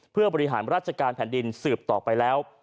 เพื่อบริหารราชการแผ่นดินสืบต่อไปแล้ว